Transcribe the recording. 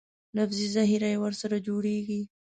لفظي ذخیره یې ورسره جوړېږي.